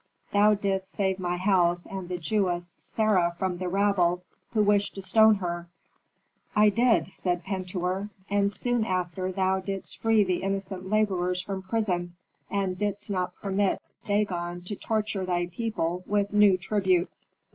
"Thou didst save my house and the Jewess Sarah from the rabble who wished to stone her." "I did," said Pentuer. "And soon after thou didst free the innocent laborers from prison, and didst not permit Dagon to torture thy people with new tribute."